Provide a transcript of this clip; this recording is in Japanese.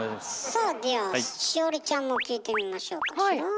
さあでは栞里ちゃんも聞いてみましょうかしら。